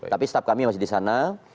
tapi staff kami masih disana